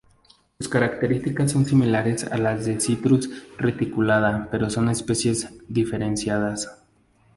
Sus características son similares a las de Citrus reticulata pero son especies diferenciadas.